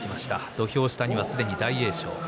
土俵下にはすでに大栄翔。